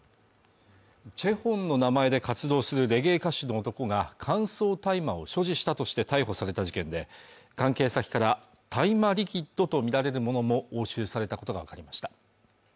ＣＨＥＨＯＮの名前で活動するレゲエ歌手の男が乾燥大麻を所持したとして逮捕された事件で関係先から大麻リキッドとみられるものも押収されたことが分かりました